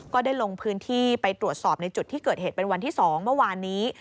ก็ได้ลงพื้นที่ไปตรวจสอบในจุดที่เกิดเหตุเป็นวันที่๒เมื่อวานนี้